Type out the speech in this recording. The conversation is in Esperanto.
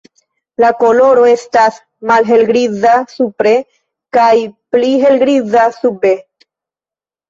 La koloro estas malhelgriza supre kaj pli helgriza sube.